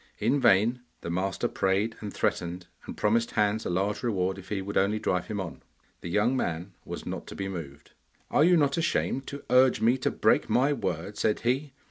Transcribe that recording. In vain the master prayed and threatened, and promised Hans a large reward if he would only drive him on. The young man was not to be moved. 'Are you not ashamed to urge me to break my word?' said he.